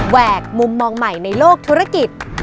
แวกมุมมองใหม่ในโลกธุรกิจ